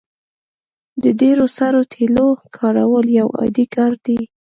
د ډیرو سړو تیلو کارول یو عادي کار دی